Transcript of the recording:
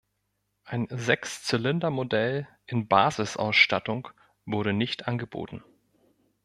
Ein Sechszylindermodell in Basisausstattung wurde nicht angeboten.